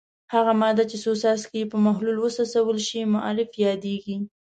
هغه ماده چې څو څاڅکي یې په محلول وڅڅول شي معرف یادیږي.